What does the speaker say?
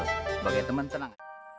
sebagai temen tenang